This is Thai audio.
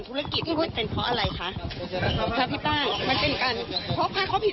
พี่พูดได้เลยนะพี่